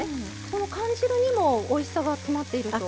この缶汁にもおいしさが詰まっていると？